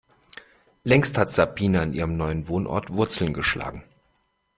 Längst hat Sabine an ihrem neuen Wohnort Wurzeln geschlagen.